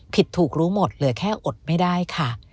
ผิดถูกรู้หมดเหลือแค่อดไม่ได้ค่ะ